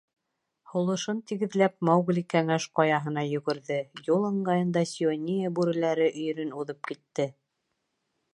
Һулышын тигеҙләп, Маугли Кәңәш Ҡаяһына йүгерҙе, юл ыңғайында Сиония бүреләре өйөрөн уҙып китте.